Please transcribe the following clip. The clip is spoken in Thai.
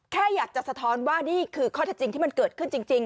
แค่อยากจะสะท้อนว่านี่คือข้อเท็จจริงที่มันเกิดขึ้นจริง